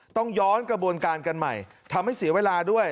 ต้องย้อนกระบวนการกันใหม่ทำให้เสียเวลาด้วย